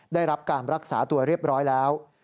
ได้รับการรักษาตัวเรียบร้อยแล้ว